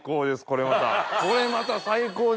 これまた。